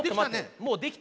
もうできた。